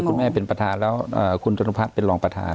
คุณแม่เป็นประธานแล้วคุณจนุพัฒน์เป็นรองประธาน